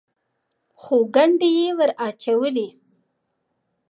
خو ګنډې یې ور اچولې.